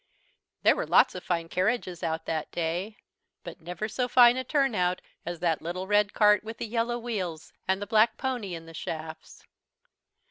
There were lots of fine carriages out that day, but never so fine a turnout as that little red cart with the yellow wheels and the black pony in the shafts.